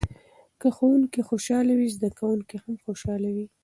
که ښوونکی خوشحاله وي زده کوونکي هم خوشحاله وي.